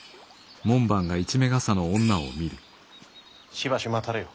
しばし待たれよ。